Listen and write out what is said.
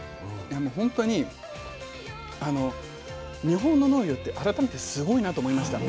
ほんとに日本の農業って改めてすごいなと思いました。